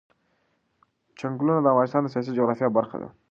چنګلونه د افغانستان د سیاسي جغرافیه برخه ده.